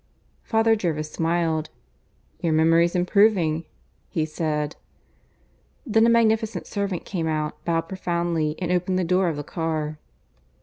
Father Jervis smiled. "Your memory's improving," he said. Then a magnificent servant came out, bowed profoundly, and opened the door of the car.